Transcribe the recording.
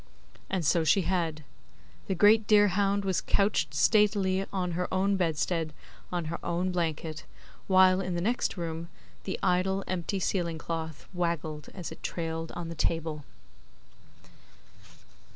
And so she had. The great deerhound was couched statelily on her own bedstead on her own blanket, while, in the next room, the idle, empty, ceiling cloth waggled as it trailed on the table.